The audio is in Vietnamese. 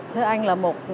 thế anh là một